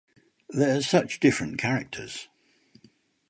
They're such different characters.